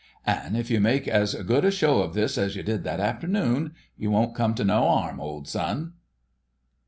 "An' if you make as good a show of this as you did that afternoon, you won't come to no 'arm, old son."